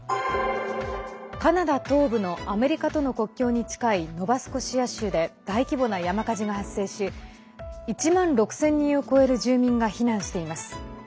カナダ東部のアメリカとの国境に近いノバスコシア州で大規模な山火事が発生し１万６０００人を超える住民が避難しています。